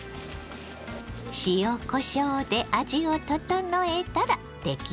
塩こしょうで味を調えたら出来上がり。